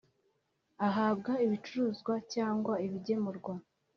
Ahabwa ibicuruzwa cyangwa ibigemurwa